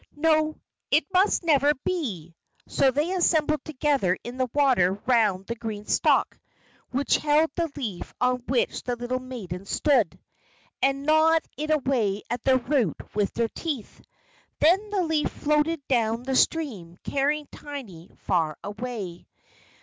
"No, it must never be!" so they assembled together in the water, round the green stalk which held the leaf on which the little maiden stood, and gnawed it away at the root with their teeth. Then the leaf floated down the stream, carrying Tiny far away.